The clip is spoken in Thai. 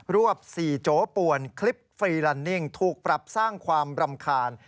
รวบ๔โจป่วนคลิปฟรีลันนิ่งถูกปรับสร้างความรำคาญ